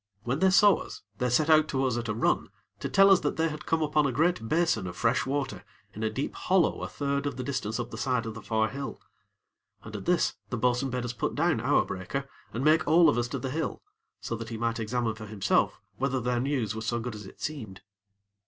When they saw us, they set out to us at a run to tell us that they had come upon a great basin of fresh water in a deep hollow a third of the distance up the side of the far hill, and at this the bo'sun bade us put down our breaker and make all of us to the hill, so that he might examine for himself whether their news was so good as it seemed.